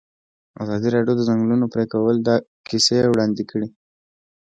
ازادي راډیو د د ځنګلونو پرېکول کیسې وړاندې کړي.